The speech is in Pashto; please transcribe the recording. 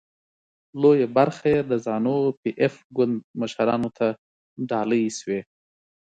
لویه برخه یې د زانو پي ایف ګوند مشرانو ته ډالۍ شوې.